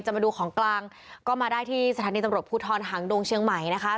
มาดูของกลางก็มาได้ที่สถานีตำรวจภูทรหางดงเชียงใหม่นะคะ